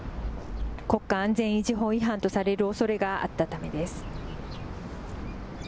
国家安全維持法違反とされるおそれがあったためです。